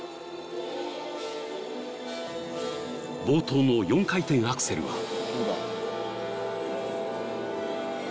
冒頭の４回転アクセルは